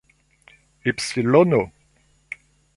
ipsilono